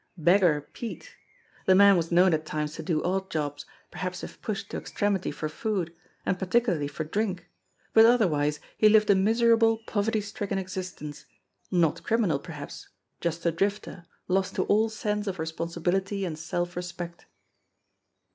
Beggar Pete! The man was known at times to do odd jobs perhaps if pushed to extremity for food and particularly for drink, but otherwise he lived a miserable, poverty stricken existence not criminal, perhaps, just a drifter, lost to all sense of responsibility and self respect.